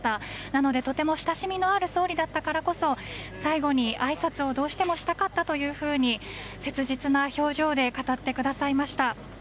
なのでとても親しみのある総理だったからこそ最後にあいさつをどうしてもしたかったと切実な表情で語ってくださいました。